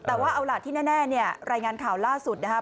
แต่ว่าเอาล่ะที่แน่เนี่ยรายงานข่าวล่าสุดนะครับ